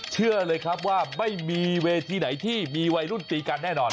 เชื่อเลยครับว่าไม่มีเวทีไหนที่มีวัยรุ่นตีกันแน่นอน